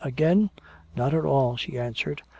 "Again? Not at all," she answered.